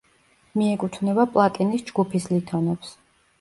მიეკუთვნება პლატინის ჯგუფის ლითონებს.